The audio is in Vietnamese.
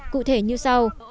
cụ thể như sau